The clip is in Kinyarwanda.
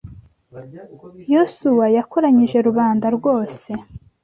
Yosuwa yakoranyije rubanda rwose